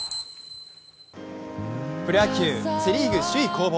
プロ野球・セ・リーグ首位攻防。